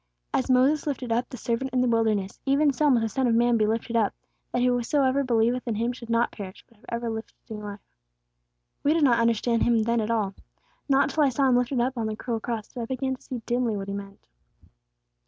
'As Moses lifted up the serpent in the wilderness, even so must the Son of Man be lifted up, that whosoever believeth in Him should not perish, but have everlasting life.' We did not understand Him then at all. Not till I saw Him lifted up on the cruel cross, did I begin to dimly see what He meant."